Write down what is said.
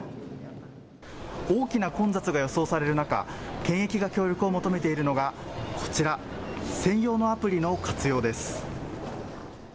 大きな混雑が予想される中、検疫が協力を求めているのが、こちら、専用のアプリの活用です。